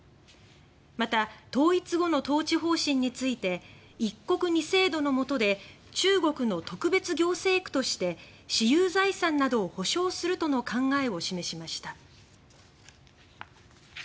また、統一後の統治方針について一国二制度のもとで中国の特別行政区として私有財産などを保障するとの考えを示しました。